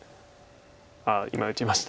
あっ今打ちました。